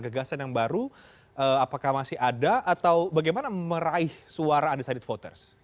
gagasan yang baru apakah masih ada atau bagaimana meraih suara undecided voters